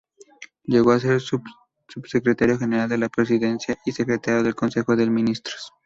Llegó a ser Subsecretario General de la Presidencia y Secretario del Consejo de Ministros.